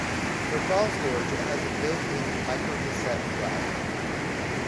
For file storage it had a built-in microcassette drive.